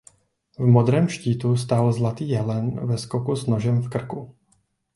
V modrém štítu stál zlatý jelen ve skoku s nožem v krku.